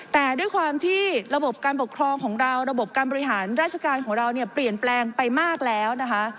แต่ด้วยความที่ระบบการปกครองของเราระบบการบริหารราชการของเราเนี่ยเปลี่ยนแปลงไปมากแล้วนะคะ